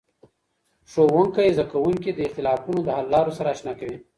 ښوونکی زدهکوونکي د اختلافونو د حللارو سره اشنا کوي.